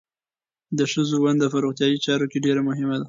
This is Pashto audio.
د ښځو ونډه په روغتیايي چارو کې ډېره مهمه ده.